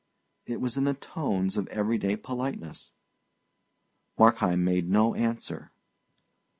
it was in the tones of everyday politeness. Markheim made no answer.